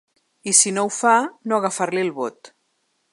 I si no ho fa, no agafar-li el vot.